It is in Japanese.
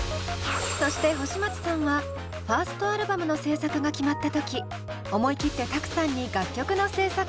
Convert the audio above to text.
そして星街さんはファーストアルバムの制作が決まった時思い切ってＴＡＫＵさんに楽曲の制作をオファー。